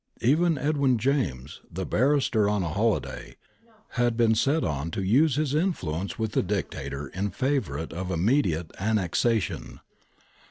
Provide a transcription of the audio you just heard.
'^^ Even Edwin James, the barrister on a holiday, had been set on to use his influence with the Dictator in favour of immediate annexation.